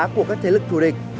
của các thế lực thủ địch